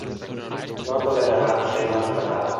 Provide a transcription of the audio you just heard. No tolera ser maltratado.